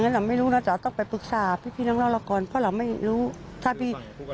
ให้การอย่างนี้